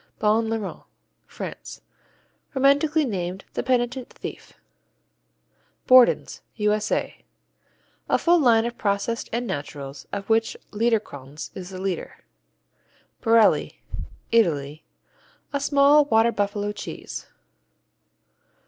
Bon Larron France Romantically named "the penitent thief." Borden's U.S.A. A full line of processed and naturals, of which Liederkranz is the leader. Borelli Italy A small water buffalo cheese.